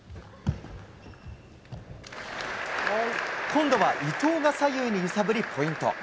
今度は伊藤が左右に揺さぶりポイント。